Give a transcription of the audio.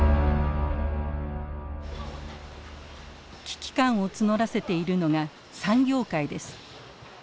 危機感を募らせているのが産業界です。